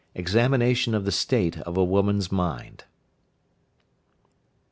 EXAMINATION OF THE STATE OF A WOMAN'S MIND.